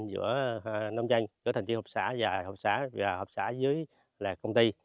giữa nông doanh giữa thành viên hợp xã và hợp xã dưới công ty